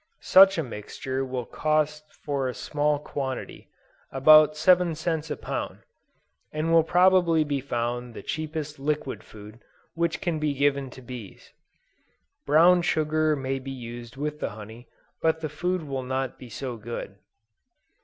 Such a mixture will cost for a small quantity, about seven cents a pound, and will probably be found the cheapest liquid food, which can be given to bees. Brown sugar may be used with the honey, but the food will not be so good.